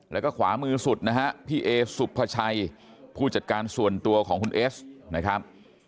แล้วก็ขวามือสุดนะฮะพี่เอสุภาชัยผู้จัดการส่วนตัวของคุณเอสนะครับ